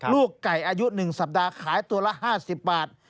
ลูกไก่อายุ๑สัปดาห์ขายตัวละ๕๐บาท